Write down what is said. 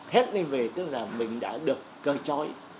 hết đi về tức là mình đã được cờ trói